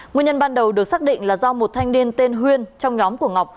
nguyên nhân ban đầu được xác định là do một thanh niên tên huyên trong nhóm của ngọc